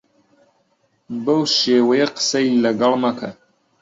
بەو شێوەیە قسەی لەگەڵ مەکە.